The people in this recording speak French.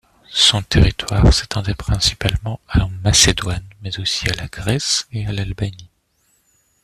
Son territoire s'étendait principalement en Macédoine, mais aussi à la Grèce et à l'Albanie.